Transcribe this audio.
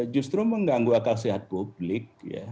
justru mengganggu akal sehat publik